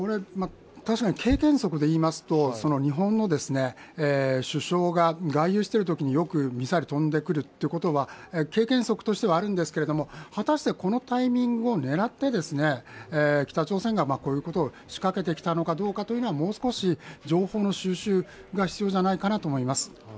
確かに経験則でいいますと、日本の首相が外遊しているときによくミサイルが飛んでくるというのは、経験則ではあるんですが、果たしてこのタイミングを狙って北朝鮮がこういうことを仕掛けてきたのかどうかはもう少し情報の収集が必要じゃないかなと思います。